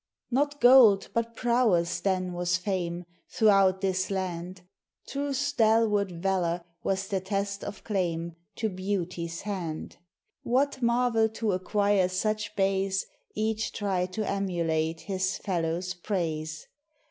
Not gold but prowess then was fame, Throughout this land; True stalwart valour was the test of claim To Beauty's hand. What marvel to acquire such bays, Each tried to emulate his fellow's praise?